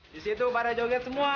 disitu pada joget semua